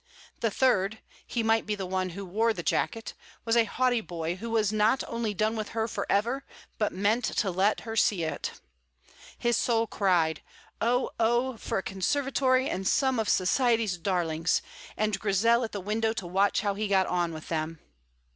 The third he might be the one who wore the jacket was a haughty boy who was not only done with her for ever, but meant to let her see it. (His soul cried, Oh, oh, for a conservatory and some of society's darlings, and Grizel at the window to watch how he got on with them!)